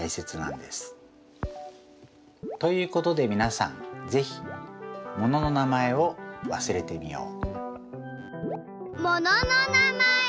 ということでみなさんぜひものの名前を忘れてみよう！